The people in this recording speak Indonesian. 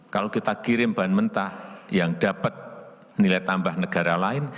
kalau kita kirim bahan mentah yang dapat nilai tambah negara lain